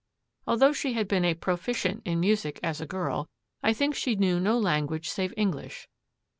Although she had been 'a proficient' in music as a girl, I think she knew no language save English.